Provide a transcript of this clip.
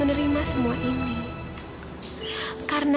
ini tas ayah kan